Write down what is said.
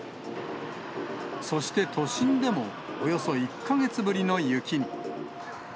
そして都心でも、およそ１か月ぶりの雪に。